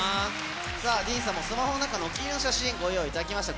さあ、ＤＥＡＮさんも、スマホの中のお気に入りの写真、ご用意いただきました。